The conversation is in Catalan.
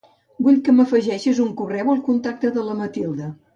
Vull que m'afegeixis un correu al contacte de la Matilde.